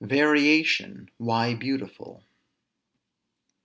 VARIATION, WHY BEAUTIFUL.